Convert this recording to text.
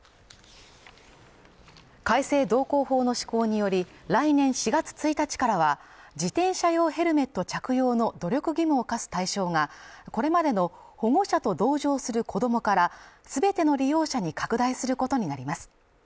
改正道交法の施行により来年４月１日からは自転車用ヘルメット着用の努力義務を課す対象がこれまでの保護者と同乗する子供からすべての利用者に拡大することになります